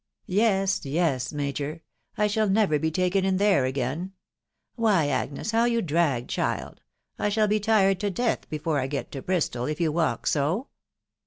"Yes, yes, major .... I shall never be taken in there again .... Why, Agnes, how you drag, child ! I shall be tired to death before I get to Bristol, if you walk so."